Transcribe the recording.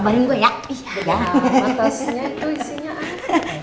makasih ya itu isinya